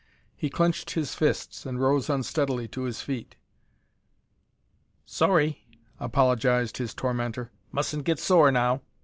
He clenched his fists and rose unsteadily to his feet. "Sorry," apologized his tormentor. "Mustn't get sore now.